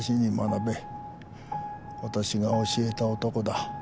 私が教えた男だ。